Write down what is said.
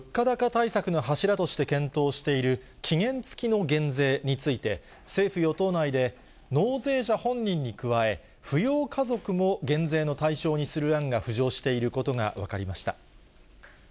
対策の柱として検討している、期限付きの減税について、政府・与党内で納税者本人に加え、扶養家族も減税の対象にする案が浮上していることが分かりました。